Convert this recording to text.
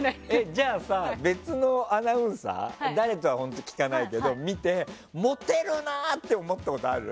じゃあさ、別のアナウンサーで誰とは聞かないけど見て、モテるなって思ったことある？